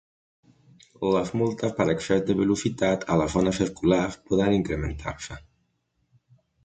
Les multes per excés de velocitat a les zones escolars poden incrementar-se.